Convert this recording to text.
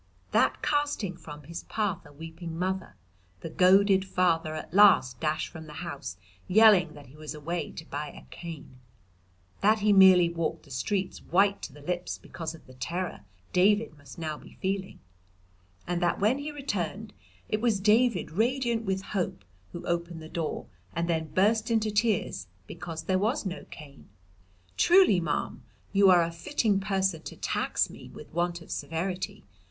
That casting from his path a weeping mother, the goaded father at last dashed from the house yelling that he was away to buy a cane. That he merely walked the streets white to the lips because of the terror David must now be feeling. And that when he returned, it was David radiant with hope who opened the door and then burst into tears because there was no cane. Truly, ma'am, you are a fitting person to tax me with want of severity.